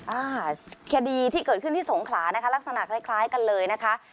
อ่าคดีที่เกิดขึ้นที่สงขลานะคะลักษณะคล้ายคล้ายกันเลยนะคะ